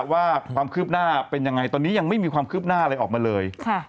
ว่าความคืบหน้าเป็นยังไงตอนนี้ยังไม่มีความคืบหน้าอะไรออกมาเลย